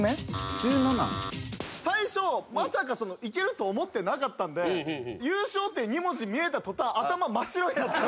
最初まさかいけると思ってなかったんで優勝って２文字見えた途端頭真っ白になっちゃう。